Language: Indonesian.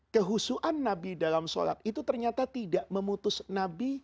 kehusuan nabi dalam sholat itu ternyata tidak memutus nabi